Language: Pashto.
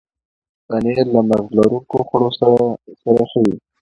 پنېر له مغز لرونکو خواړو سره ښه وي.